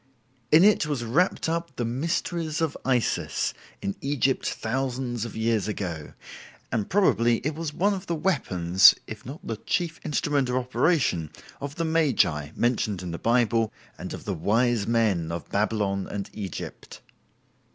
In it was wrapped up the "mysteries of Isis" in Egypt thousands of years ago, and probably it was one of the weapons, if not the chief instrument of operation, of the magi mentioned in the Bible and of the "wise men" of Babylon and Egypt.